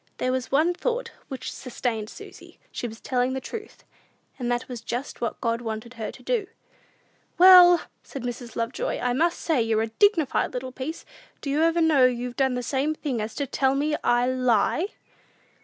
There was one thought which sustained Susy; she was telling the truth, and that was just what God wanted her to do. "Well," said Mrs. Lovejoy, "I must say you're a dignified little piece! Do you know you've done the same thing as to tell me I lie?"